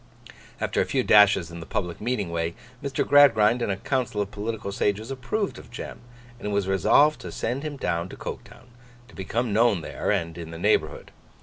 After a few dashes in the public meeting way, Mr. Gradgrind and a council of political sages approved of Jem, and it was resolved to send him down to Coketown, to become known there and in the neighbourhood.